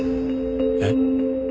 えっ？